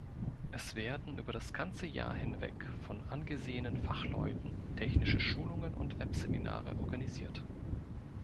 Es werden über das ganze Jahr hinweg von angesehenen Fachleuten technische Schulungen und Webseminare organisiert.